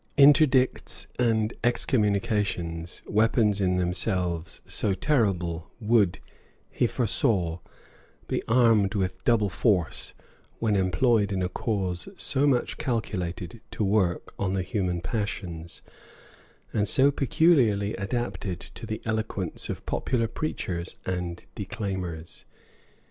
Interdicts and excommunications, weapons in themselves so terrible, would, he foresaw, be armed with double force, when employed in a cause so much calculated to work on the human passions, and so peculiarly adapted to the eloquence of popular preachers and declaimers.